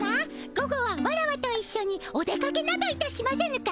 午後はワラワといっしょにお出かけなどいたしませぬか？